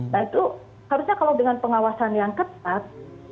nah itu harusnya kalau dengan pengawasan yang ketat